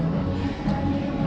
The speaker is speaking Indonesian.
bagaimana menurut anda